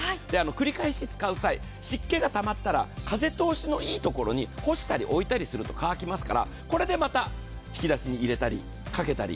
繰り返し使う際、湿気がたまったら風通しがいいところに干したりすると乾きますから、これでまた引き出しに入れたり、かけたり。